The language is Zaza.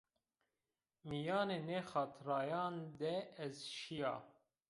Mîyanê nê xatirayan de ez şîya